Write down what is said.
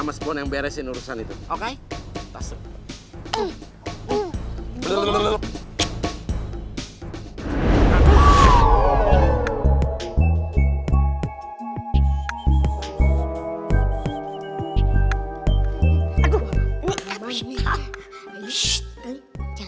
jangan bersisik terketawa manusia